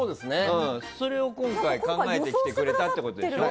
それを今回考えてきてくれたんでしょ。